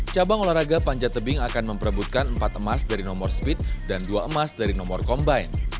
cabang olahraga panjat tebing akan memperebutkan empat emas dari nomor speed dan dua emas dari nomor combine